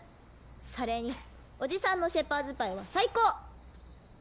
それにおじさんのシェパーズパイは最高！